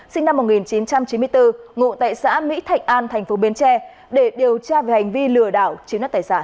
sinh năm một nghìn chín trăm chín mươi bốn ngụ tại xã mỹ thạch an tp bến tre để điều tra về hành vi lừa đảo chiếm đất tài sản